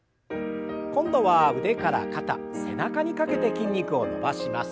今度は腕から肩背中にかけて筋肉を伸ばします。